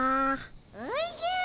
おじゃ。